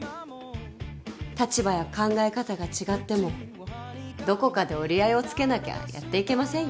立場や考え方が違ってもどこかで折り合いをつけなきゃやっていけませんよ。